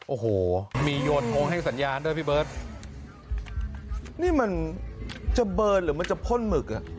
โอ้โหมีโยนองค์ให้สัญญาณด้วยพี่เบิร์ตนี่มันจะเบิร์นหรือมันจะพ่นหมึกอ่ะ